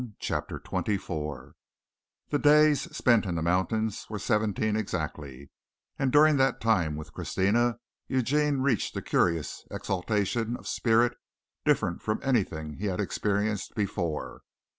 CHAPTER XXIV The days spent in the mountains were seventeen exactly, and during that time with Christina, Eugene reached a curious exaltation of spirit different from anything he had experienced before.